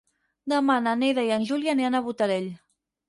Demà na Neida i en Juli aniran a Botarell.